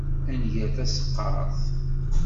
Ad nger taseqqart?